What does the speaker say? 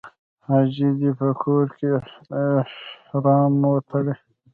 حاجي دې په کور کې احرام وتړي.